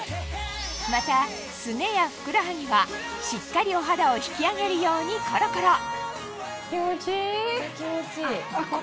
またスネやふくらはぎはしっかりお肌を引き上げるようにコロコロこれ気持ちいい。